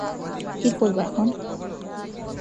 কী করবো এখন?